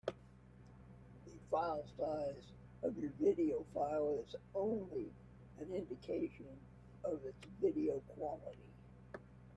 The filesize of a video file is only an indication of its video quality.